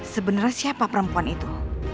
sebenernya siapa perempuan itu